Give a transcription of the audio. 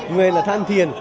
người là thân thiện